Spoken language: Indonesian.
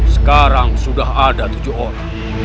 sekarang sudah ada tujuh orang